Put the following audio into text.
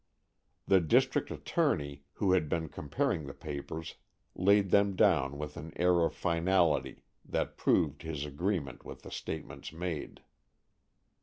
The district attorney, who had been comparing the papers, laid them down with an air of finality that proved his agreement with the statements made.